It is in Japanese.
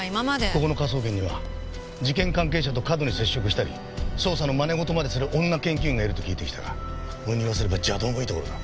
ここの科捜研には事件関係者と過度に接触したり捜査の真似事までする女研究員がいると聞いてきたが俺に言わせれば邪道もいいところだ。